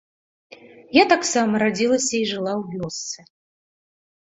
Я таксама радзілася і жыла ў вёсцы.